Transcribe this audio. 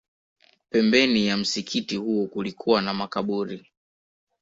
Pembeni ya msikiti huo kulikuwa na makaburi